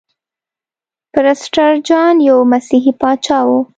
پرسټر جان یو مسیحي پاچا و.